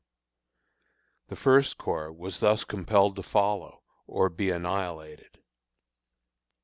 The First Corps was thus compelled to follow, or be annihilated.